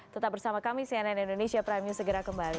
tetap bersama kami cnn indonesia prime news segera kembali